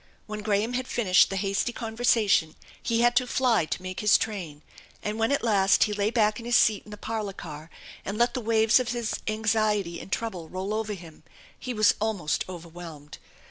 When Graham had finished the hasty conversation he had to fly to make his train, and when at last he lay back in his seat in the parlor car and let the waves of his anxiety and trouble roll over him he was almost overwhelmed.